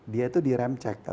dia itu di rem cek